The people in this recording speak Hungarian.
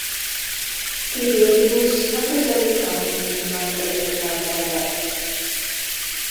Tiberius a közeli Carnuntumban töltötte a telet.